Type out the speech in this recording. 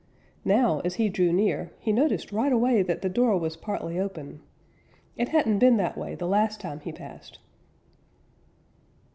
Now, as he drew near, he noticed right away that the door was partly open. It hadn't been that way the last time he passed.